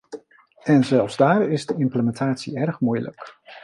En zelfs daar is de implementatie erg moeilijk.